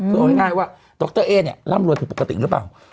คือเอาง่ายว่าดรเอ๊เนี่ยร่ำรวยผิดปกติหรือเปล่า